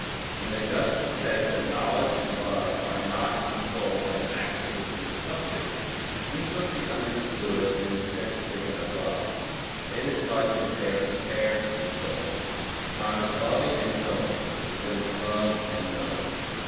When Augustine says that knowledge and love are not in the soul as accidents in a subject, this must be understood in the sense given above, inasmuch as they are compared to the soul, not as loving and knowing, but as loved and known.